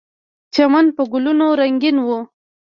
چمن په ګلونو رنګین و.